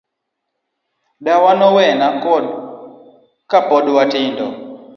Dawa nowewa ka pod watindo.